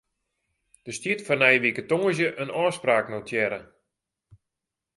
Der stiet foar nije wike tongersdei in ôfspraak notearre.